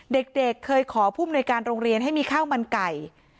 เด็กเคยขอผู้มนุยการโรงเรียนให้มีข้าวมันไก่